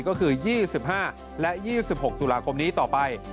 ก็คือ๒๕และ๒๖ตุลาคมนี้ต่อไป